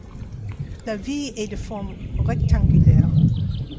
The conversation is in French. La ville est de forme rectangulaire.